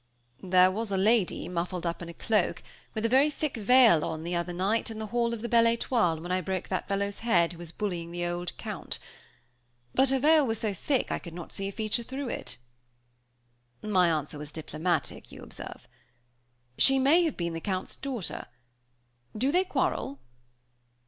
"There was a lady, muffled up in a cloak, with a very thick veil on, the other night, in the hall of the Belle Étoile, when I broke that fellow's head who was bullying the old Count. But her veil was so thick I could not see a feature through it!" My answer was diplomatic, you observe. "She may have been the Count's daughter. Do they quarrel?"